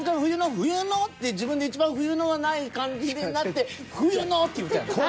「冬の」？って自分でいちばん「冬の」がない感じになって「冬の」！？って言うたやんな。